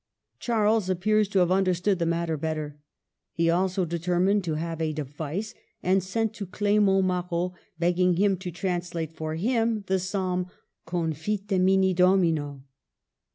Charles appears to have understood the matter better. He also de termined to have a device, and sent to Clement Marot, begging him to translate for him the psalm '' Confitemini Domino."